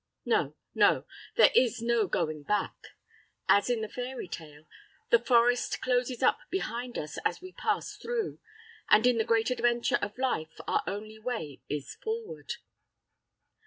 No, no. There is no going back. As in the fairy tale, the forest closes up behind us as we pass through, and in the great adventure of life our only way is forward.